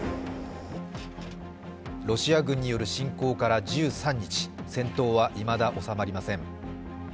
ロシア軍による侵攻から１３日、戦闘はいまだ、収まりません。